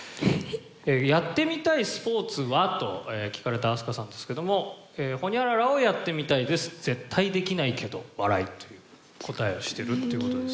「やってみたいスポーツは？」と聞かれた飛鳥さんですけども「ホニャララをやってみたいです絶対できないけど笑い」という答えをしてるって事ですね